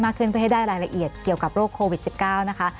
ขึ้นเพื่อให้ได้รายละเอียดเกี่ยวกับโรคโควิด๑๙นะคะ